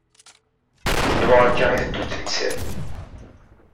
Yenwa akka i teddunt temsal.